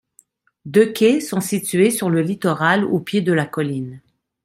Deux quais sont situés sur le littoral au pied de la colline.